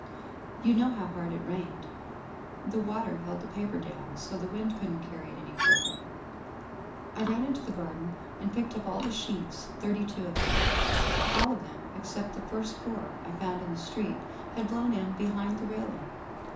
You know how hard it rained. The water held the paper down, so the wind couldn't carry it any further. I ran into the Garden and picked up all the sheets, thirty two of them. All of them, except the first four I found in the street, had blown in behind the rail ing.